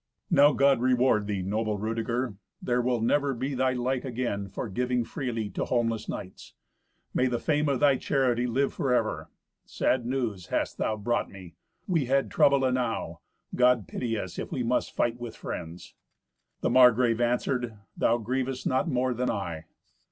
"Now God reward thee, noble Rudeger; there will never be thy like again for giving freely to homeless knights. May the fame of thy charity live for ever. Sad news hast thou brought me. We had trouble enow. God pity us if we must fight with friends." The Margrave answered, "Thou grievest not more than I."